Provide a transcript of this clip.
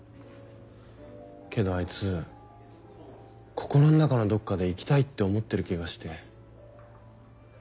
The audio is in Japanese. けどあいつ心の中のどっかで行きたいって思ってる気がして。